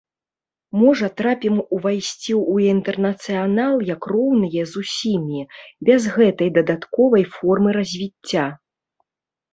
Можа, трапім увайсці ў інтэрнацыянал як роўныя з усімі, без гэтай дадатковай формы развіцця!